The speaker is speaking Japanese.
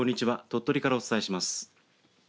鳥取からお伝えします。